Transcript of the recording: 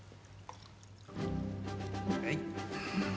はい。